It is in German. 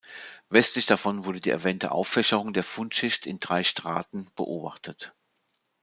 Westlich davon wurde die erwähnte Auffächerung der Fundschicht in drei Straten beobachtet.